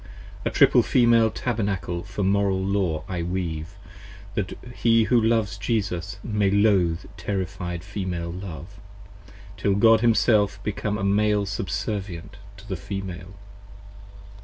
A triple Female Tabernacle for Moral Law I weave 20 That he who loves Jesus may loathe terrified Female love, Till God himself become a Male subservient to the Female.